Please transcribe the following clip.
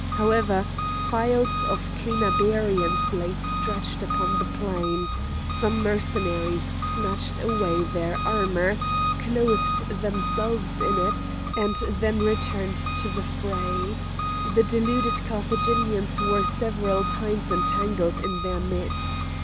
However, files of Clinabarians lay stretched upon the plain; some Mercenaries snatched away their armour, clothed themselves in it, and then returned to the fray. The deluded Carthaginians were several times entangled in their midst.